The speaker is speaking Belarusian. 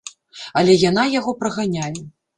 Але яна яго праганяе.